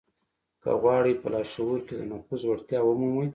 که غواړئ په لاشعور کې د نفوذ وړتيا ومومئ.